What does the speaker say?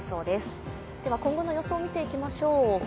では今後の予想、見ていきましょう。